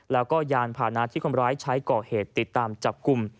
แล้วก็ยานพานะที่คนร้ายใช้ก่อเหตุติดตามจับกลุ่ม